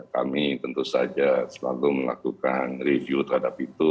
kami tentu saja selalu melakukan review terhadap itu